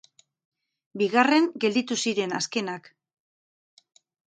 Bigarren gelditu ziren, azkenak.